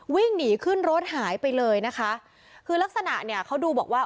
วิ่งหนีขึ้นรถหายไปเลยนะคะคือลักษณะเนี่ยเขาดูบอกว่า